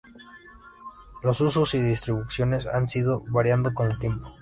Los usos y distribuciones han ido variando con el tiempo.